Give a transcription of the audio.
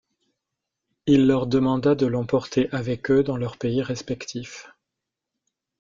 Il leur demanda de l’emporter avec eux dans leurs pays respectifs.